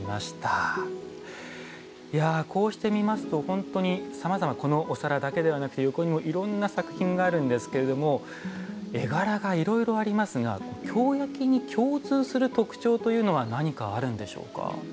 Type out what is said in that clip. いやこうして見ますと本当にさまざまこのお皿だけではなくて横にもいろんな作品があるんですけれども絵柄がいろいろありますが京焼に共通する特徴というのは何かあるんでしょうか？